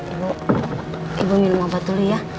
ibu ibu minum obat tuli ya